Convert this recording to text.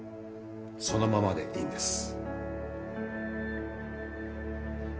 そのままでいいんです。